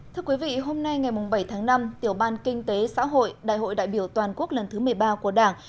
thưa quý vị hôm nay ngày bảy tháng năm tiểu ban kinh tế xã hội đại hội đại biểu toàn quốc lần thứ một mươi ba của đảng